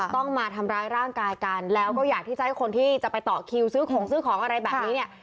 ต้องมาทำร้ายร่างกายกันแล้วก็อยากที่จะให้คนที่จะไปต่อคิวซื้อของซื้อของอะไรแบบนี้เนี่ย